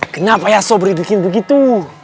kenapa yaso berhidupin begitu